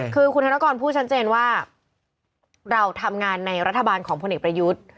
คือคุณธนกรพูดชัดเจนว่าเราทำงานในรัฐบาลของพลเอกประยุทธ์